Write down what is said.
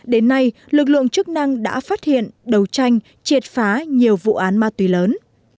đến nay lực lượng chức năng đã phát hiện đấu tranh triệt phá nhiều vụ án ma túy lớn